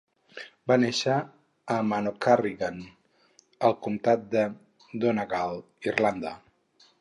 Va néixer a Manorcunningham, al comtat de Donegal, Irlanda.